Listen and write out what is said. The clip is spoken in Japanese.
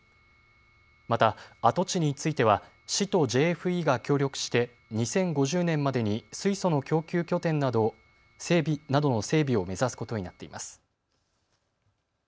また跡地については市とＪＦＥが協力して２０５０年までに水素の供給拠点などの整備を目指すことになっています。